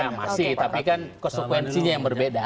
ya masih tapi kan konsekuensinya yang berbeda